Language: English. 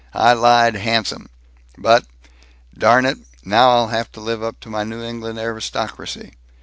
I lied handsome. But Darn it, now I'll have to live up to my New England aristocracy....